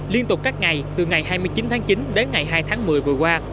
liên tục các ngày từ ngày hai mươi chín tháng chín đến ngày hai tháng một mươi vừa qua